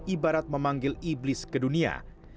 ibarat memanggil iblis ke dunia